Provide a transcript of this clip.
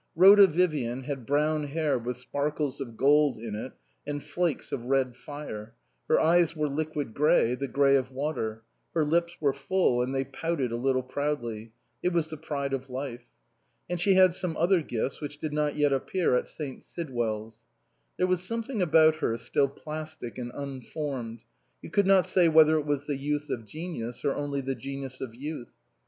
Rhoda Vivian had brown hair with sparkles of gold in it and flakes of red fire ; her eyes were liquid grey, the grey of water ; her lips were full, and they pouted a little proudly ; it was the pride of life. And she had other gifts which did not yet appear at St. Sidwell's. There was something about her still plastic and unformed ; you could not say whether it was the youth of genius, or only the genius of youth.